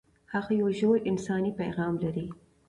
هغه یو ژور انساني پیغام لري.